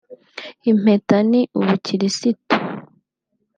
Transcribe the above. impeta ni ubukirisitu